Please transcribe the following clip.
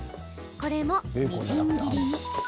これも、みじん切りに。